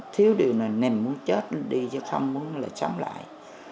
thiếu điều là nền muốn chết đi chứ không muốn là chấm lại